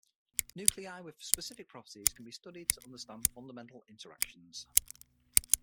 Nuclei with specific properties can be studied to understand fundamental interactions.